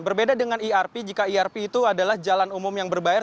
berbeda dengan erp jika erp itu adalah jalan umum yang berbayar